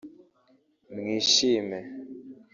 “mwishime